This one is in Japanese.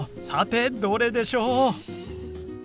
さてどれでしょう？